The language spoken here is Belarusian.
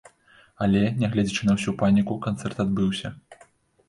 Але, нягледзячы на ўсю паніку, канцэрт адбыўся.